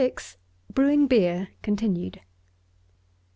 BREWING BEER (_continued.